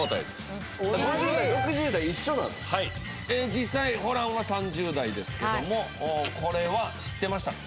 実際ホランは３０代ですけどもこれは知ってましたか？